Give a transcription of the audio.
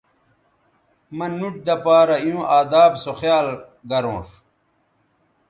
مہ نُوٹ دہ پارہ ایوں اداب سو خیال گرونݜ